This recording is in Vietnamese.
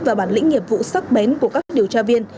và bản lĩnh nghiệp vụ sắc bén của các điều tra viên